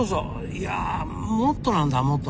いやもっとなんだもっと。